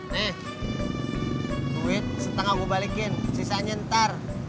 nih duit setengah gue balikin sisanya ntar